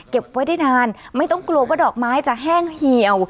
เก็บไว้ได้นานไม่ต้องกลัวว่าดอกไม้จะแห้งเหี่ยว